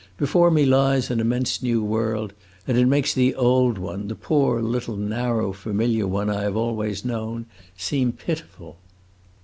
Before me lies an immense new world, and it makes the old one, the poor little narrow, familiar one I have always known, seem pitiful."